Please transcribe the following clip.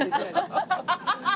ハハハハ！